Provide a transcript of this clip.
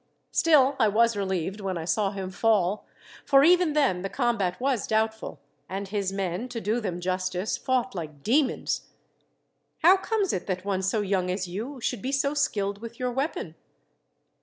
Still, I was relieved when I saw him fall, for even then the combat was doubtful, and his men, to do them justice, fought like demons. How comes it that one so young as you should be so skilled with your weapon?"